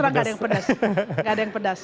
terus terang enggak ada yang pedes